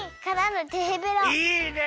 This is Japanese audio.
いいね！